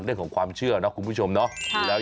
เรื่องของความเชื่อเนาะคุณผู้ชมเนาะ